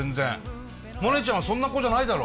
モネちゃんはそんな子じゃないだろ。